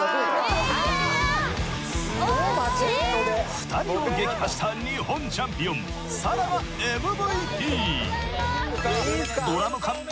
２人を撃破した日本チャンピオンＳａＲａがＭＶＰ。